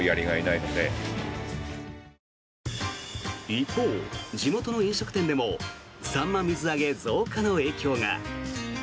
一方、地元の飲食店でもサンマ水揚げ増加の影響が。